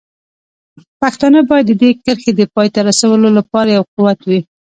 پښتانه باید د دې کرښې د پای ته رسولو لپاره یو قوت وي.